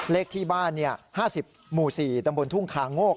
เลขที่บ้าน๕๐หมู่๔ตำบลทุ่งคาโงก